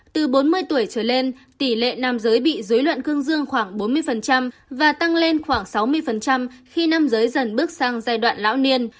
từ bốn mươi tuổi trở lên tỷ lệ nam giới bị dối loạn cương dương khoảng bốn mươi và tăng lên khoảng sáu mươi khi nam giới dần bước sang giai đoạn lão niên